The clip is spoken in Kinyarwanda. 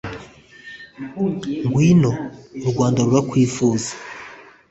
“ngwino, u rwanda rurakwifuza.